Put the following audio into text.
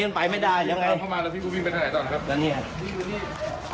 บุญส่งเข้ามาแล้วพี่ผู้วิ่งเป็นทางไหนต้อนครับ